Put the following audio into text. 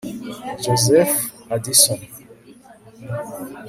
joseph addison